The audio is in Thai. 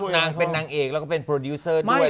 นางเป็นนางเอกแล้วก็เป็นโปรดิวเซอร์ด้วย